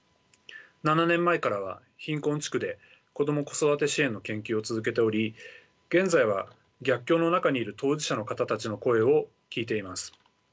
７年前からは貧困地区で子ども子育て支援の研究を続けており現在は逆境の中にいる当事者の方たちの声を聞いています。